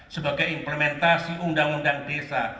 sebagai implementasi undang undang desa